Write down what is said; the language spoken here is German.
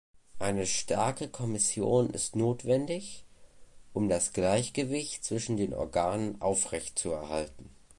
Eine starke Kommission ist notwendig, um das Gleichgewicht zwischen den Organen aufrechtzuerhalten.